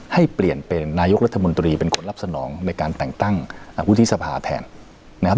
ให้เปลี่ยนเป็นนายกรัฐมนตรีเป็นคนรับสนองในการแต่งตั้งวุฒิสภาแทนนะครับ